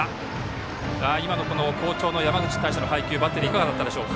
今の好調の山口に対しての配球バッテリーいかがだったですか。